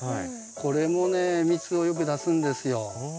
これもね蜜をよく出すんですよ。